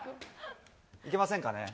いけませんかね。